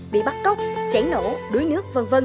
bị bắt cốc chảy nổ đuối nước v v